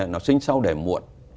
nó sinh sau đẻ muộn